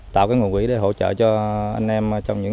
tạo cái nguồn quỹ để hỗ trợ cho anh em